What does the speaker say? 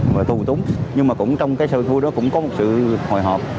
mà thu túng nhưng mà cũng trong cái sự vui đó cũng có một sự hồi hộp